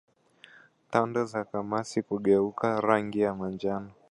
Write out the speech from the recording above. Tando za kamasi kugeuka rangi ya manjano